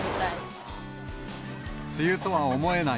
梅雨とは思えない